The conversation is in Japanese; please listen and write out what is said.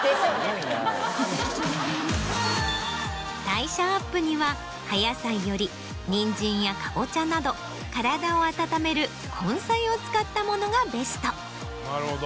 代謝アップには葉野菜よりニンジンやカボチャなど体を温める根菜を使ったものがベスト。